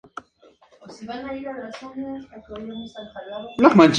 La estación tiene dos andenes.